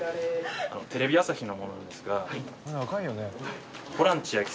テレビ朝日の者なんですが。